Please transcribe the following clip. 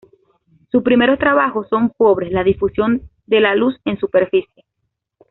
Sus primeros trabajos son sobre la difusión de la luz en superficie.